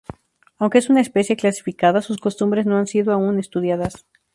Aunque es una especie clasificada, sus costumbres no han sido aún estudiadas.